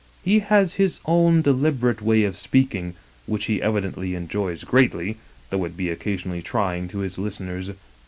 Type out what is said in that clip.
He has his own deliberate way of speaking, which he evidently enjoys greatly, though it be occasionally trying to his listeners.